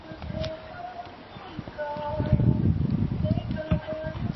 县治恩波里亚并不是县的一部分。